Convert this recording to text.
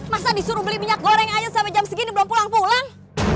masa disuruh beli minyak goreng ayo sampai jam segini belum pulang pulang